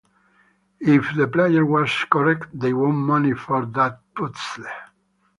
If the player was correct, they won money for that puzzle.